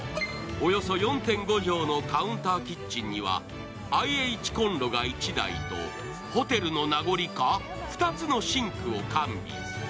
およそ４．５畳のカウンターキッチンにはＩＨコンロが１台とホテルのなごりか、２つのシンクを完備。